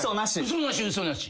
嘘なし嘘なし。